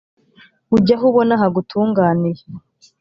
ujye aho ubona hagutunganiye